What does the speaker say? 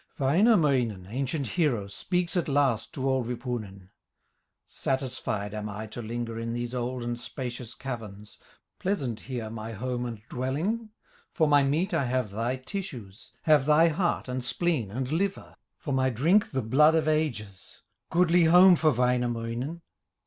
Wainamoinen, ancient hero, Speaks at last to old Wipunen: "Satisfied am I to linger In these old and spacious caverns, Pleasant here my home and dwelling; For my meat I have thy tissues, Have thy heart, and spleen, and liver, For my drink the blood of ages, Goodly home for Wainamoinen.